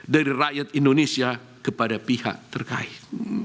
dari rakyat indonesia kepada pihak terkait